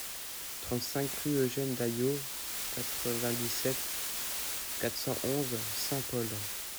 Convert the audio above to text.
trente-cinq rue Eugêne Dayot, quatre-vingt-dix-sept, quatre cent onze, Saint-Paul